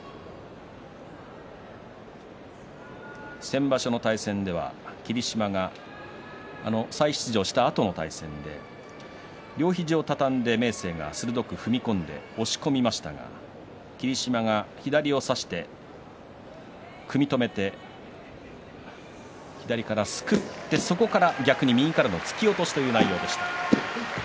先場所の対戦では霧島が再出場したあとの対戦で両肘を畳んで明生が鋭く踏み込んで押し込みましたが霧島が左を差して組み止めて左からすくってそこから逆に右からの突き落としという内容でした。